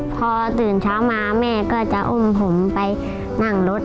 พอตื่นเช้ามาแม่ก็จะอุ้มผมไปนั่งรถ